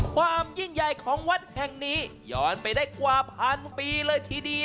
ความยิ่งใหญ่ของวัดแห่งนี้ย้อนไปได้กว่าพันปีเลยทีเดียว